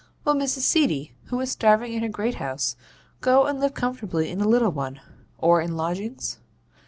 Will Mrs. Seedy who is starving in her great house, go and live comfortably in a little one, or in lodgings?